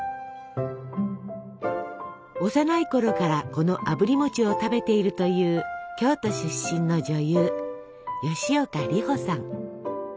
幼いころからこのあぶり餅を食べているという京都出身の女優吉岡里帆さん。